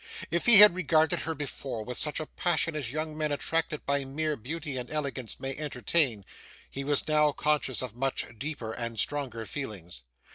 If he had regarded her before, with such a passion as young men attracted by mere beauty and elegance may entertain, he was now conscious of much deeper and stronger feelings.